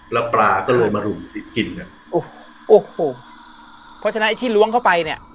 แล้วปลาก็เลยมารุมกินกันโอ้โหโอ้โหเพราะฉะนั้นไอ้ที่ล้วงเข้าไปเนี่ย